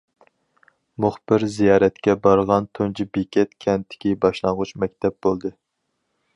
مۇخبىر زىيارەتكە بارغان تۇنجى بېكەت كەنتتىكى باشلانغۇچ مەكتەپ بولدى.